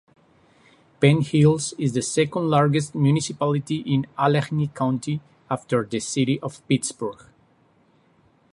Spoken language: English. Penn Hills is the second-largest municipality in Allegheny County, after the city of Pittsburgh.